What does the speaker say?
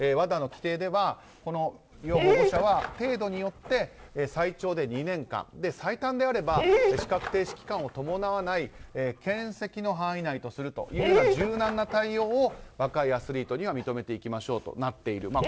ＷＡＤＡの規定では要保護者は程度によって最長で２年間最短であれば資格停止期間を伴わないけん責の範囲内とするというような柔軟な対応を若いアスリートには認めていきましょうとなっている。